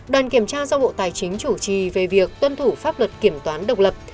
đoàn kiểm tra do bộ tài chính chủ trì về việc tuân thủ pháp luật kiểm toán độc lập